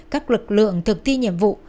các lực lượng thực thi nhiệm vụ